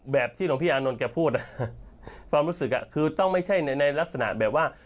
แบบที่หลวงพี่อานนท์แกพูดคือต้องไม่ใช่ในลักษณะแบบว่า